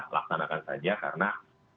laksanakan saja karena